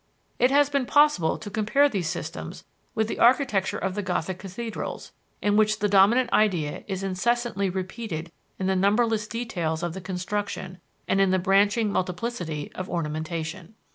It has been possible to compare these systems with the architecture of the Gothic cathedrals, in which the dominant idea is incessantly repeated in the numberless details of the construction, and in the branching multiplicity of ornamentation.